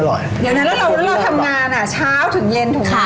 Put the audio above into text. เพราะว่าเราทำงานนะเช้าถึงเย็นถูกไหม